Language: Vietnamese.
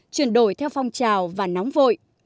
chuyển đổi theo phong trào và nóng vội